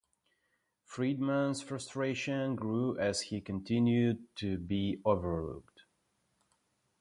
Friedman's frustration grew as he continued to be overlooked.